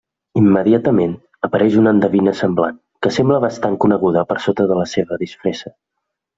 Immediatament apareix una endevina semblant, que sembla bastant coneguda per sota de la seva disfressa.